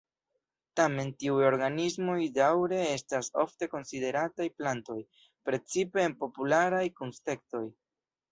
Tamen, tiuj organismoj daŭre estas ofte konsideritaj plantoj, precipe en popularaj kuntekstoj.